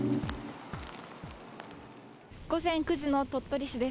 午前９時の鳥取市です。